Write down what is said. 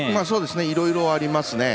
いろいろありますね。